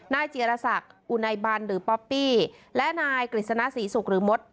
เจียรศักดิ์อุไนบันหรือป๊อปปี้และนายกฤษณศรีศุกร์หรือมด